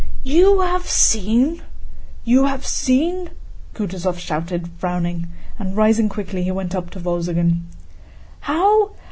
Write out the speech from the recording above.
"You have seen? You have seen?..." Kutúzov shouted. Frowning and rising quickly, he went up to Wolzogen. "How...